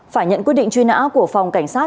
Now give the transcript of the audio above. phải nhận quyết định truy nã của phòng cảnh sát